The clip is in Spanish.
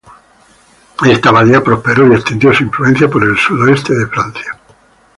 Esta abadía prosperó y extendió su influencia por el sudoeste de Francia.